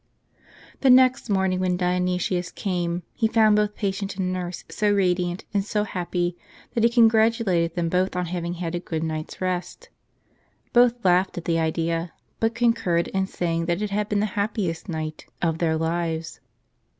?HE next morning, when Dionysius came, he found both patient and nurse so radiant and so happy, that he congratulated them both on having had a good night's rest. Both laughed at the idea ; but concurred in saying that it had been the happiest night of their lives.